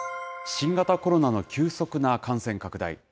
新型コロナの急速な感染拡大。